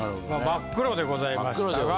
真っ黒でございました！